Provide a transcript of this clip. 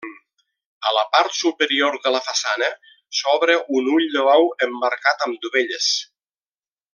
A la part superior de la façana s'obre un ull de bou emmarcat amb dovelles.